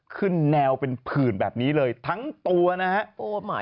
ขึ้นแนวเป็นผื่นแบบนี้เลยทั้งตัวนะฮะ